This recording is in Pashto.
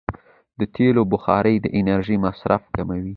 د تېلو بخاري د انرژۍ مصرف کموي.